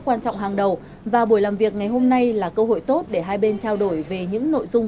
quan trọng hàng đầu và buổi làm việc ngày hôm nay là cơ hội tốt để hai bên trao đổi về những nội dung